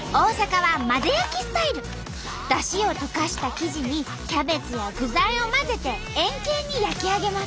だしを溶かした生地にキャベツや具材を混ぜて円形に焼き上げます！